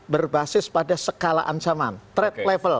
berbasis pada sekala ansaman threat level